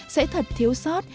sẽ thật thiếu sót